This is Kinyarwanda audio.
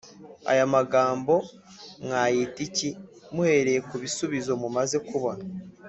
Aya magambo mwayita iki muhereye ku bisubizo mumaze kubona